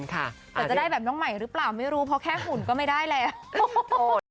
แต่จะได้แบบน้องใหม่หรือเปล่าไม่รู้เพราะแค่หุ่นก็ไม่ได้แล้ว